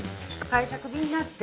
会社クビになって。